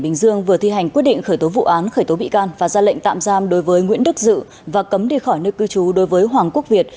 bình dương vừa thi hành quyết định khởi tố vụ án khởi tố bị can và ra lệnh tạm giam đối với nguyễn đức dự và cấm đi khỏi nơi cư trú đối với hoàng quốc việt